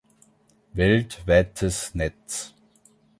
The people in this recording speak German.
Weltweites Netz